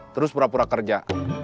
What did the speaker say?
terus pura pura kerja